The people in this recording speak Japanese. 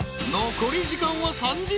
［残り時間は３０分］